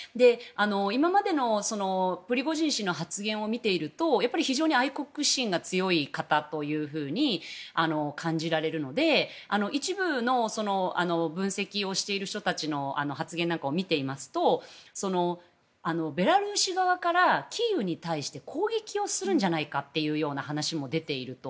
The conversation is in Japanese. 今までのプリゴジン氏の発言を見ているとやっぱり非常に愛国心が強い方というふうに感じられるので一部の分析をしている人たちの発言なんかを見ていますとベラルーシ側からキーウに対して攻撃をするんじゃないかという話も出ていると。